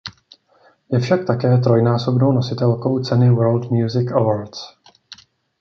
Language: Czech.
Je však také trojnásobnou nositelkou ceny World Music Awards.